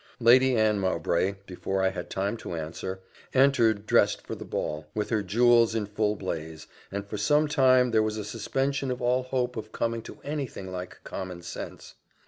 Lady Anne Mowbray, before I had time to answer, entered dressed for the ball, with her jewels in full blaze, and for some time there was a suspension of all hope of coming to any thing like common sense.